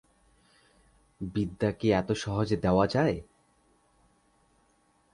বিদ্যা কি এত সহজে দেওয়া যায়?